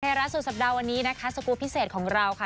รัฐสุดสัปดาห์วันนี้นะคะสกูลพิเศษของเราค่ะ